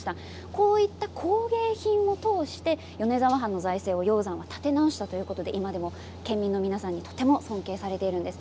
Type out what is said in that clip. こういった工芸品を通して米沢藩の財政を鷹山は立て直したということで今でも県民の皆さんにとても尊敬されているんです。